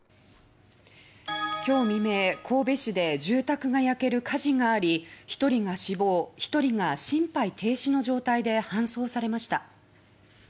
今日未明、神戸市で住宅が焼ける火事があり１人が死亡１人が心肺停止の状態で搬送されました。